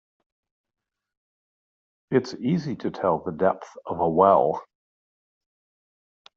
It's easy to tell the depth of a well.